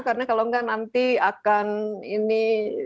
karena kalau nggak nanti akan ini